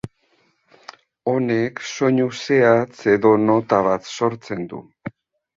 Honek, soinu zehatz edo nota bat sortzen du.